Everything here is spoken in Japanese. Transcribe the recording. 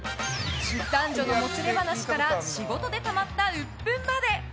男女のもつれ話から仕事でたまったうっぷんまで。